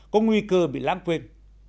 có nguy cơ bị lãng quên